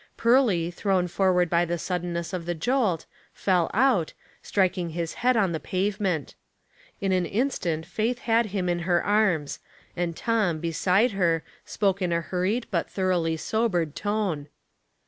Pearly, thrown forward by the suddenness of the jolt, fell out, striking his head on the pavement. In an instant Faith had him in her arms, and Tom, beside her, spoke in a hurried but thoroughly sobered tone.